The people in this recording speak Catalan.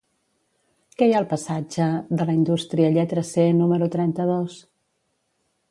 Què hi ha al passatge de la Indústria lletra C número trenta-dos?